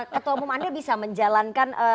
ketua umum anda bisa menjalankan